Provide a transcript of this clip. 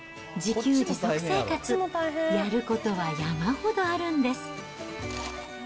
自給自足生活、やることは山ほどあるんです。